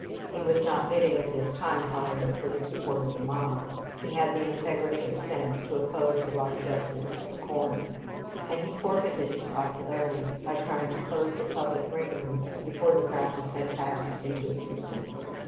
He was not bidding at this time, however, for the support of the mob. He had the integrity and sense to oppose the largesses of corn; and he forfeited his popularity by trying to close the public granaries before the practice had passed into a system.